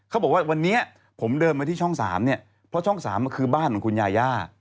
เขาบอกว่าวันนี้ผมเดินมาที่ช่อง๓เนี่ยเพราะช่อง๓คือบ้านของคุณยาย่า